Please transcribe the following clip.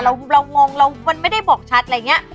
เรางงเรามันไม่ได้บอกชัดอะไรอย่างนี้